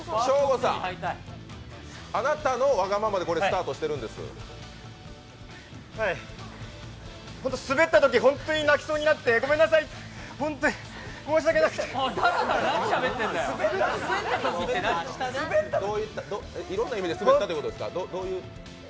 あなたのわがままでこれスタートしてるんです滑ったとき、ホントに泣きそうになって、ごめんなさいホントに申し訳なくてえ、いろんな意味でスベったということですか？